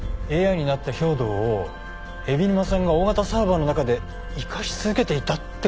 ＡＩになった兵働を海老沼さんが大型サーバーの中で生かし続けていたって事？